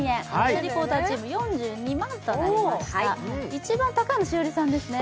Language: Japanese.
一番高いのは栞里さんですね。